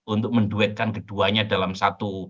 untuk menduetkan keduanya dalam satu